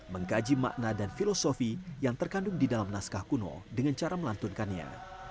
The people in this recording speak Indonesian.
mengkaji makna dan filosofi yang terkandung di dalam naskah kuno dengan cara melantunkannya